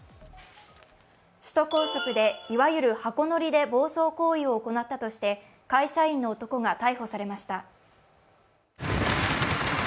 首都高速でいわゆる箱乗りで暴走行為を行ったとして会社員の男が逮捕されました。